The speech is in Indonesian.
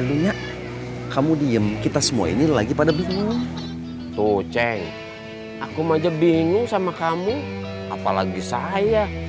dulunya kamu diem kita semua ini lagi pada bingung tuh ceng aku aja bingung sama kamu apalagi saya